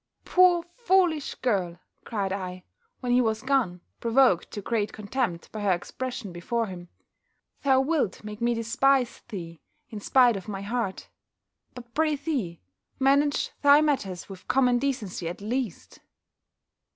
"Poor foolish girl!" cried I, when he was gone, provoked to great contempt by her expression before him, "thou wilt make me despise thee in spite of my heart. But, pr'ythee, manage thy matters with common decency, at least."